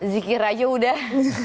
zikir aja udah